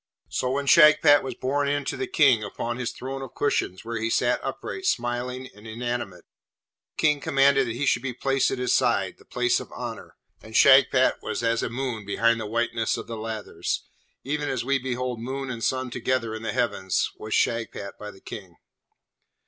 So when Shagpat was borne in to the King upon his throne of cushions where he sat upright, smiling and inanimate, the King commanded that he should be placed at his side, the place of honour; and Shagpat was as a moon behind the whiteness of the lathers; even as we behold moon and sun together in the heavens, was Shagpat by the King.